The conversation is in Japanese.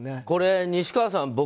これ、西川さん